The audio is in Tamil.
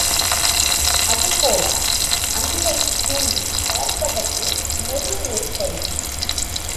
அதுபோல, அன்பைத் தூண்டி வளர்ப்பதற்கு மொழி ஒரு கருவி.